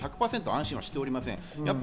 安心はしておりません。